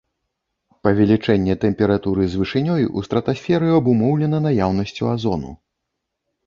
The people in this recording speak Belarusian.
Павелічэнне тэмпературы з вышынёй у стратасферы абумоўлена наяўнасцю азону.